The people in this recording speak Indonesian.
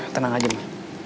tenang aja ma